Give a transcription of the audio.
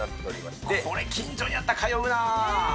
これ近所にあったら通うな。